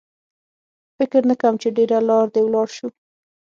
فکر نه کوم چې ډېره لار دې ولاړ شو.